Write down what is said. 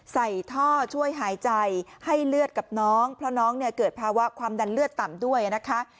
ใส่ท่อช่วยหายใจให้เลือดกับน้องเพราะน้องเนี่ยเกิดภาวะความดันเลือดต่ำด้วยนะคะ